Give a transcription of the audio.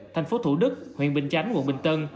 thành phố thủ đức huyện bình chánh quận bình tân